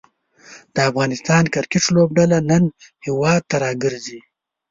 د افغانستان کریکټ لوبډله نن هیواد ته راګرځي.